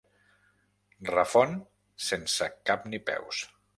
Refon, sense cap ni peus.